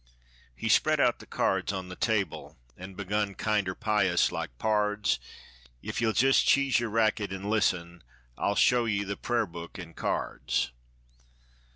He spread out the cards on the table, An' begun kinder pious like, "Pards, If ye'll jist cheese yer racket an' listen, I'll show ye the pra'ar book in cards.